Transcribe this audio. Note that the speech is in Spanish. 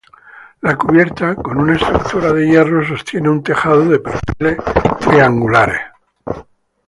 La cubierta, con una estructura de hierro, sostiene un tejado de perfiles triangulares.